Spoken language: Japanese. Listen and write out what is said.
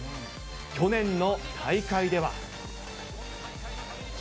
去年の大会では。